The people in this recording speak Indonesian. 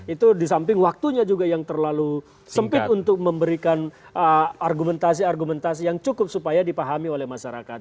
itu di samping waktunya juga yang terlalu sempit untuk memberikan argumentasi argumentasi yang cukup supaya dipahami oleh masyarakat